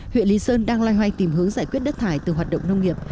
huyện lý sơn đang loay hoay tìm hướng giải quyết đất thải từ hoạt động nông nghiệp